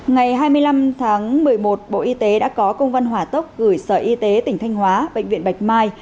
ngày hai mươi năm tháng một mươi một bộ y tế đã có công văn hỏa tốc gửi sở y tế tỉnh thanh hóa bệnh viện bạch mai